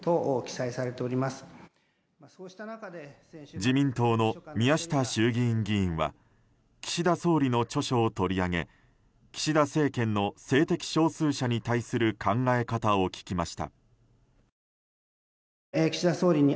自民党の宮下衆議院議員は岸田総理の著書を取り上げ岸田政権の性的少数者に対する考え方を聞きました。